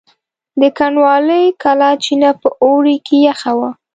د کنډوالې کلا چینه په اوړي کې یخه وه.